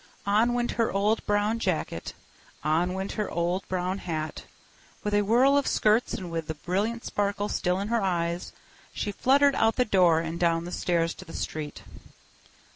On went her old brown jacket; on went her old brown hat. With a whirl of skirts and with the brilliant sparkle still in her eyes, she fluttered out the door and down the stairs to the street.